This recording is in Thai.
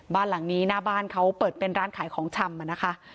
บ้านหลังนี้หน้าบ้านเขาเปิดเป็นร้านขายของชำนะคะ